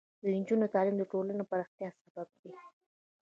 د نجونو تعلیم د ټولنې پراختیا سبب دی.